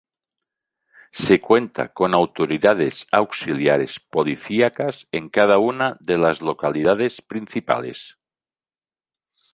Se cuenta con autoridades auxiliares policíacas en cada una de las localidades principales.